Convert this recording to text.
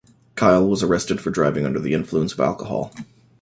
Kyle was arrested for driving under the influence of alcohol.